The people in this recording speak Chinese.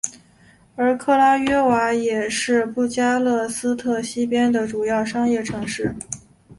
而克拉约瓦也是布加勒斯特西边的主要商业城市。